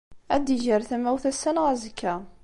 Ad d-iger tamawt ass-a neɣ azekka.